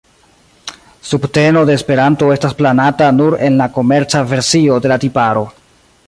Subteno de Esperanto estas planata nur en la komerca versio de la tiparo.